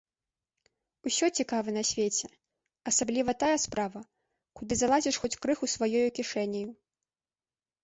Усё цікава на свеце, асабліва тая справа, куды залазіш хоць крыху сваёю кішэняю.